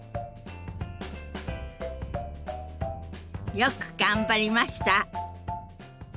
よく頑張りました。